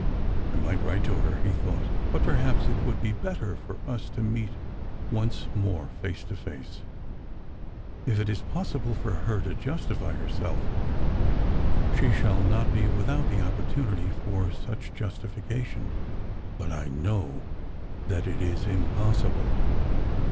" I might write to her," he thouylifc ;" but perhaps it would be better for us to meet once more face to face. If it is possible for her to justify herself she shall not be without the opportu nity for such justification. But I know that it is impossible."